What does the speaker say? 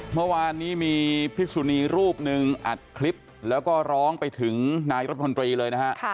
เมื่อวานนี้มีพิสุนีรูปหนึ่งอัดคลิปแล้วก็ร้องไปถึงนายรัฐมนตรีเลยนะฮะ